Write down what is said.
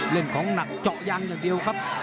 เล่นของหนักเจาะยางอย่างเดียวครับ